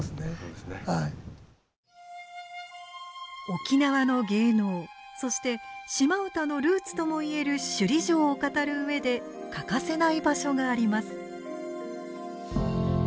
沖縄の芸能そして島唄のルーツとも言える首里城を語る上で欠かせない場所があります。